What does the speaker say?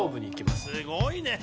すごいね！